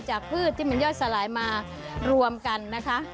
พืชที่มันย่อยสลายมารวมกันนะคะ